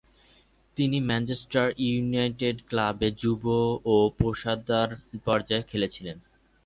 তিনি Manchester United ক্লাবে যুব ও পেশাদার পর্যায়ে খেলেছিলেন।